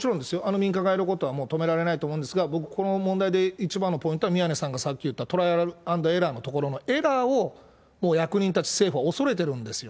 民間がやることはもう止められないと思うんですが、僕、この問題で一番のポイントは、宮根さんがさっき言ったトライ＆エラーのところのエラーをもうお役人たち政府は恐れてるんですよ。